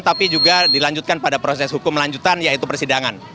tapi juga dilanjutkan pada proses hukum lanjutan yaitu persidangan